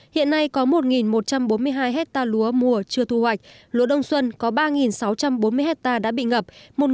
hiện nay có một một trăm bốn mươi hai hectare lúa mùa chưa thu hoạch lúa đông xuân có ba sáu trăm bốn mươi hectare đã bị ngập